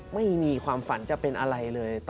ไม่มีความฝันจะเป็นอะไรเลย